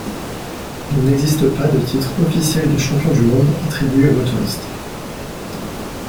Il n'existe pas de titre officiel de champion du monde attribué aux motoristes.